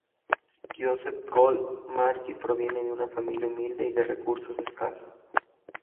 Josep Coll i Martí proviene de una familia humilde y de recursos escasos.